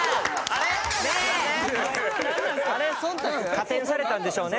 加点されたんでしょうね。